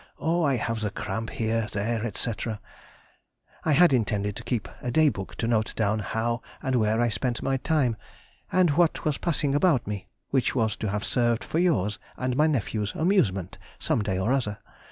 O! I have the cramp here, there, &c." I had intended to keep a day book to note down how and where I spent my time, and what was passing about me, which was to have served for yours and my nephew's amusement some day or other.